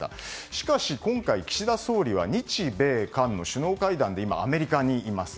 しかし今回、岸田総理は日米韓の首脳会談でアメリカにいます。